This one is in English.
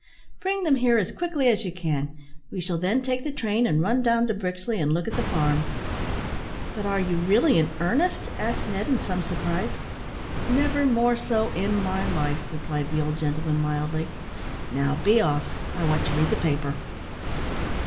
Bring them here as quickly as you can. We shall then take the train, and run down to Brixley, and look at the farm." "But are you really in earnest!" asked Ned, in some surprise. "Never more so in my life," replied the old gentleman, mildly. "Now be off; I want to read the paper."